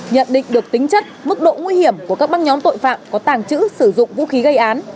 nhận định được tính chất mức độ nguy hiểm của các băng nhóm tội phạm có tàng trữ sử dụng vũ khí gây án